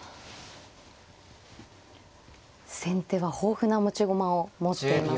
先手は豊富な持ち駒を持っています。